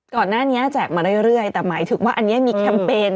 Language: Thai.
ก่อนหน้านี้แจกมาเรื่อยแต่หมายถึงว่าอันนี้มีแคมเปญ